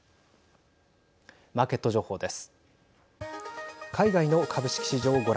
マーケット情報です。